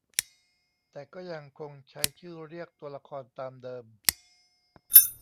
แต่ก็ยังคงใช้ชื่อเรียกตัวละครตามเดิม